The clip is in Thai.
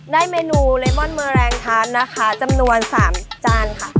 ได้เมนูเลมอนเมอร์แรงทานนะคะจำนวน๓จานค่ะ